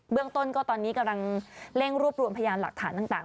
เรื่องต้นก็ตอนนี้กำลังเร่งรวบรวมพยานหลักฐานต่าง